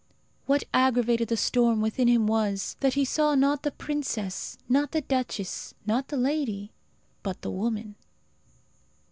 What aggravated the storm within him was, that he saw not the princess, not the duchess, not the lady, but the woman.